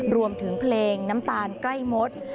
รวมถึงเพลงน้ำตาลใกล้มด